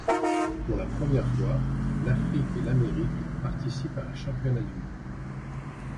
Pour la première fois, l'Afrique et l'Amérique participent à un championnat du monde.